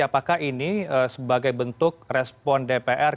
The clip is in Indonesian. apakah ini sebagai bentuk respon dpr